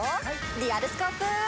リアルスコープ。